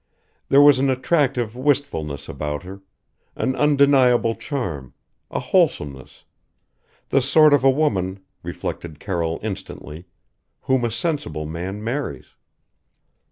There was an attractive wistfulness about her an undeniable charm, a wholesomeness the sort of a woman, reflected Carroll instantly, whom a sensible man marries.